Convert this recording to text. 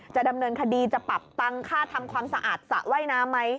จะดำเนินคดีจะปรับตังค่าทำความสะอาดสระว่ายน้ำไหม